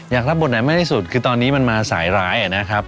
อยากรับบทไหนมากที่สุดคือตอนนี้มันมาสายร้ายนะครับ